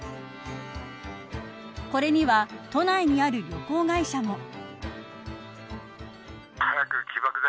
これには都内にある旅行会社も。